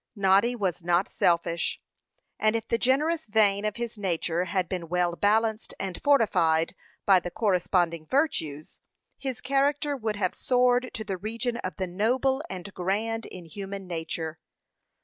Noddy was not selfish; and if the generous vein of his nature had been well balanced and fortified by the corresponding virtues, his character would have soared to the region of the noble and grand in human nature.